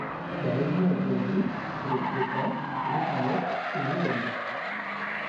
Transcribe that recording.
La région est boisée, avec le pin, l'épinette, et l'aulne.